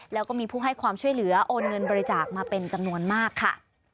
แล้วก็มีผู้ให้ความช่วยเหลือโอนเงินบริจาคมาเป็นจำนวนมากค่ะ